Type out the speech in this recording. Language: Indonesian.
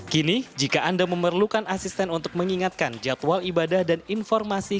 kini jika anda memerlukan asisten untuk mengingatkan jadwal ibadah dan informasi